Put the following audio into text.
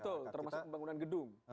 betul termasuk pembangunan gedung